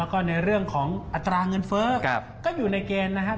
แล้วก็ในเรื่องของอัตราเงินเฟ้อก็อยู่ในเกณฑ์นะครับ